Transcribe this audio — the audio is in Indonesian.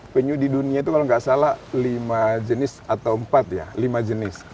penyu di dunia itu kalau nggak salah lima jenis atau empat ya lima jenis